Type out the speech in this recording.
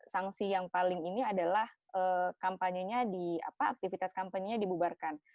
sanksi yang paling ini adalah kampanye nya di apa aktivitas kampanye nya dibubarkan